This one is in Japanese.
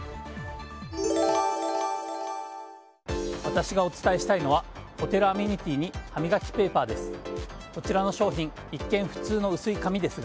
私がお伝えしたいのはホテルアメニティーに歯磨きペーパーです。